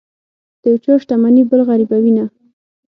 د یو چا شتمني بل غریبوي نه.